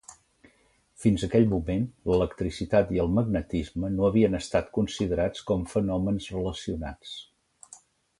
Fins aquell moment, l'electricitat i el magnetisme no havien estat considerats com fenòmens relacionats.